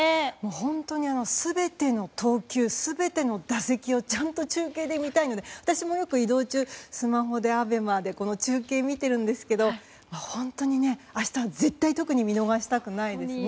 本当に全ての投球全ての打席をちゃんと中継で見たいので私も、よく移動中スマホでＡＢＥＭＡで中継を見てるんですけど本当に明日は絶対に特に見逃したくないですね。